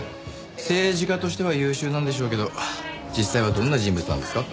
政治家としては優秀なんでしょうけど実際はどんな人物なんですか？